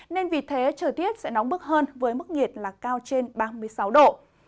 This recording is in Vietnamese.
nên vì thế trời tiết sẽ nóng bức hơn với mức nhiệt là cao trên ba mươi sáu độ